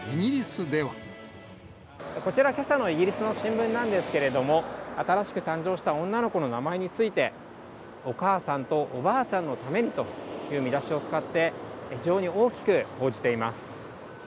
こちら、けさのイギリスの新聞なんですけれども、新しく誕生した女の子の名前について、お母さんとおばあちゃんのためにという見出しを使って、非常に大きく報じています。